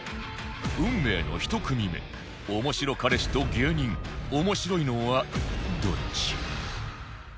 運命の１組目おもしろ彼氏と芸人面白いのはどっち？